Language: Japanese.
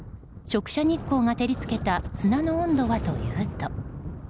直射日光が照りつけた砂の温度はというと。